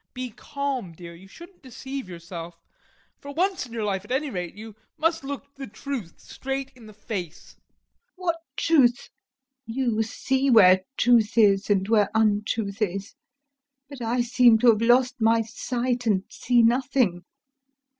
Be calm, dear, you shouldn't deceive yourself, for once in your life at any rate you must look the truth straight in the face. LUBOV. What truth? You see where truth is, and where untruth is, but I seem to have lost my sight and see nothing.